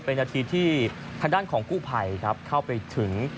เป็นนาทีที่ทางด้านของกู้ภัยครับเข้าไปถึง